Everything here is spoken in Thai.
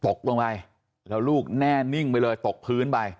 ตกลงไปแล้วลูกแน่นิ่งไปเลยตกพื้นไป